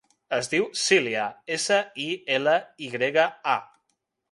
Es diu Silya: essa, i, ela, i grega, a.